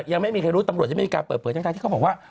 ยังไม่มีใครรู้ตำรวจยังไม่มีการเปิดเผยทั้งที่เขาบอกว่า